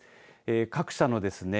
各社のですね